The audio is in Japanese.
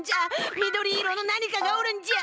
緑色の何かがおるんじゃ。